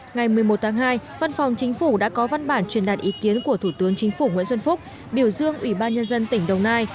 ngày một mươi một tháng hai văn phòng chính phủ đã có văn bản truyền đạt ý kiến của thủ tướng chính phủ nguyễn xuân phúc biểu dương ủy ban nhân dân tỉnh đồng nai